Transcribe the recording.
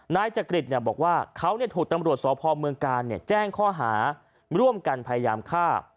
นายจักริตบอกว่าเขาถูกตำรวจสพเมืองกาลแจ้งข้อหาร่วมกันพยายามฆ่า